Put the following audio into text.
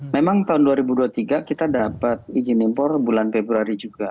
memang tahun dua ribu dua puluh tiga kita dapat izin impor bulan februari juga